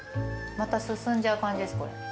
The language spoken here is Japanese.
また進んじゃう感じですこれ。